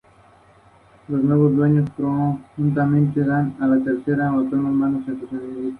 Fue la primera de varias reuniones que se celebraron posteriormente en distintos países.